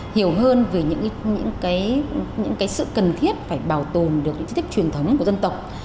hiểu hơn về những cái sự cần thiết phải bảo tồn được những di tích truyền thống của dân tộc